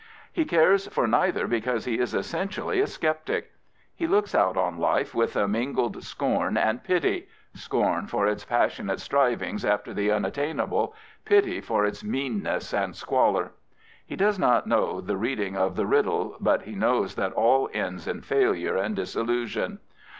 He cares for neither because he is essentially a sceptic. He looks out on life with a mingled scorn and pity — scorn for its passionate strivings after the unattainable, pity for its meanness and squalor. He does not know the reading of the riddle, burEe knows I that all ends in failure and disillusion.